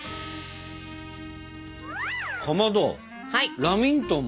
かまどラミントン